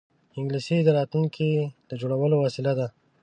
انګلیسي د راتلونکې د جوړولو وسیله ده